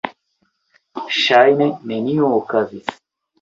Ŝajne nenio okazis.